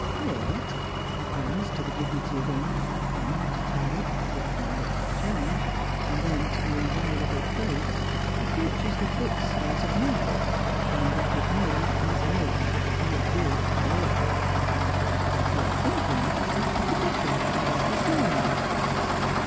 Thought, ad vanced to the dignity of ink; then to type (which may yet be changed) then to the inviolable plate, approaches the fixed state of marble when what is made is made, be it good or ill. " You are thinking," he said, " of the decalogue I read this morning."